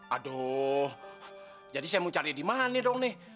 aduh jadi saya mau cari dimana dong nih